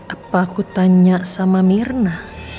apa aku tanya sama mirna